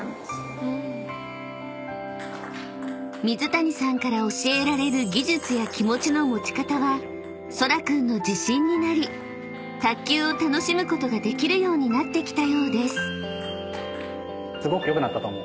［水谷さんから教えられる技術や気持ちの持ち方はそら君の自信になり卓球を楽しむことができるようになってきたようです］